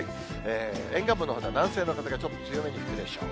沿岸部のほうでは、南西の風がちょっと強めに吹くでしょう。